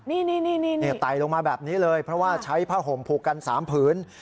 นี่ไต่ลงมาแบบนี้เลยเพราะว่าใช้ผ้าห่มผูกกัน๓ผืน